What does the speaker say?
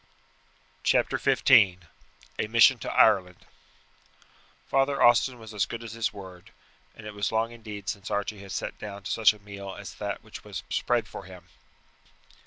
Chapter XV A Mission to Ireland Father Austin was as good as his word, and it was long indeed since Archie had sat down to such a meal as that which was spread for him.